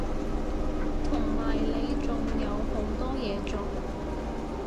同埋你仲有好多嘢做